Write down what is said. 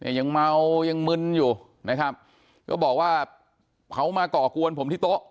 ยังเมายังมึนอยู่นะครับก็บอกว่าเขามาก่อกวนผมที่โต๊ะ